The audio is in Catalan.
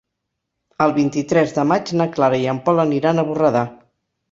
El vint-i-tres de maig na Clara i en Pol aniran a Borredà.